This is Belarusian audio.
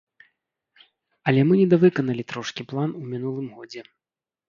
Але мы недавыканалі трошкі план у мінулым годзе.